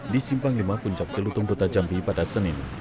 di simpang lima puncak celutung kota jambi pada senin